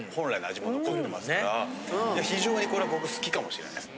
非常にこれ僕好きかもしれないです。